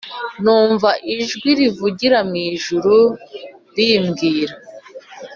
Numva ijwi rivugira mu ijuru rimbwira